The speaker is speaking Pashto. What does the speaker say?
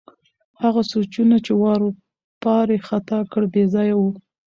هغه سوچونه چې واروپار یې ختا کړ، بې ځایه وو.